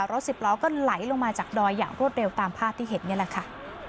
สิบล้อก็ไหลลงมาจากดอยอย่างรวดเร็วตามภาพที่เห็นนี่แหละค่ะ